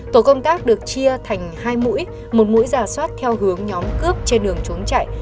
tổ công tác được chia thành hai mũi một mũi giả soát theo hướng nhóm cướp trên đường trốn chạy